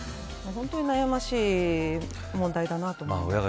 本当に悩ましい問題だなと思います。